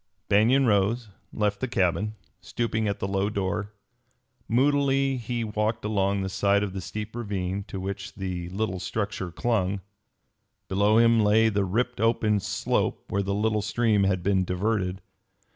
Banion rose and left the cabin, stooping at the low door. Moodily he walked along the side of the steep ravine to which the little structure clung. Below him lay the ripped open slope where the little stream had been diverted.